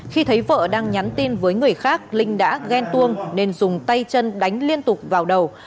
khi thấy vợ đang nhắn tin với người khác linh đã ghen tuông nên dùng tay chân đánh liên tục vào đầu